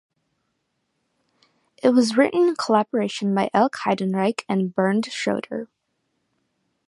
It was written in collaboration by Elke Heidenreich and Bernd Schroeder.